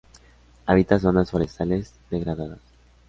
Habita zonas forestales degradadas.